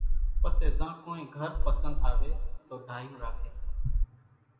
پسيَ زان ڪونئين گھر پسنۮ آويَ تو ڍايوُن راکيَ سي۔